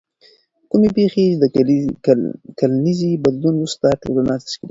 کومې پیښې د کلنیزې بدلون وروسته ټولنه تشکیلوي؟